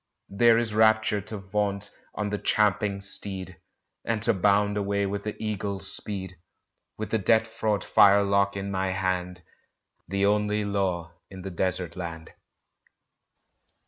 There is rapture to vault on the champing steed, And to bound away with the eagle's speed, With the death fraught firelock in my hand The only law in the Desert Land!